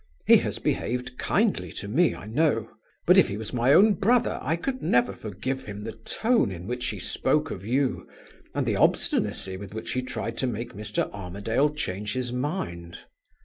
He has behaved kindly to me, I know. But if he was my own brother, I could never forgive him the tone in which he spoke of you, and the obstinacy with which he tried to make Mr. Armadale change his mind.